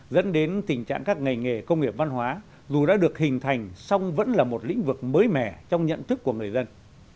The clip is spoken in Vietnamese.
dẫn đến tình trạng các ngành nghề công nghiệp văn hóa dù đã được hình thành song vẫn là một lĩnh vực mới mẻ trong nhận thức của người dân